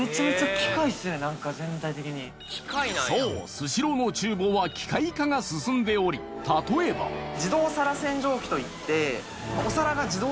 スシローの厨房は機械化が進んでおり例えばすごっ！